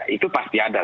itu pasti ada